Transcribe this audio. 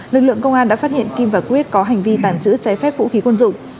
lực lượng công an đã phát hiện kim và quyết có hành vi tàng trữ trái phép vũ khí quân dụng